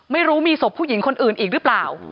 ไม่รู้มีศพผู้หญิงคนอื่นอีกหรือเปล่า